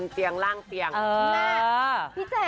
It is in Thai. พี่แจ๊กอ่ะ